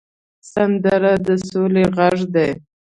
سندره د سولې غږ دی